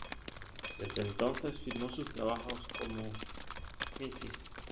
Desde entonces, firmó sus trabajos como Mrs.